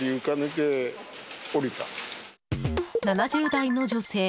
７０代の女性。